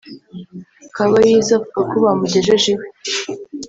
Kabayiza avuga ko bamugejeje iwe